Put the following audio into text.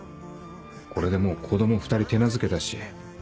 これでもう子供２人手なずけたし。